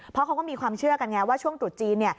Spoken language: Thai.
เพราะเขาก็มีความเชื่อกันไงว่าช่วงตรุษจีน